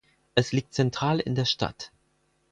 Es liegt zentral in der Stadt.